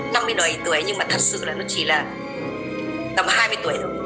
năm mươi đời tuổi nhưng mà thật sự là nó chỉ là tầm hai mươi tuổi thôi